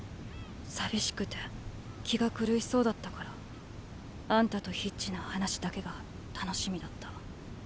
寂しくて気が狂いそうだったからあんたとヒッチの話だけが楽しみだった。